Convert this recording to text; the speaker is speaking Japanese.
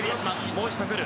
もう一度くる。